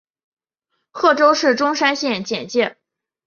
贺州市钟山县简介